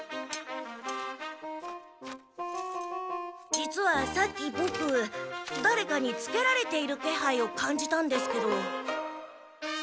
実はさっきボクだれかにつけられているけはいを感じたんですけど。